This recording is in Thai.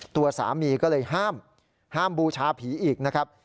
ตัวสามีก็เลยห้ามห้ามบูชาผีอีกนะครับ